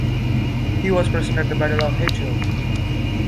He was present at the Battle of Edgehill.